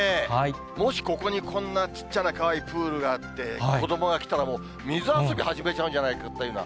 もしここにこんな小っちゃなかわいいプールがあって、子どもが来たら、水遊び始めちゃうんじゃないかっていうような。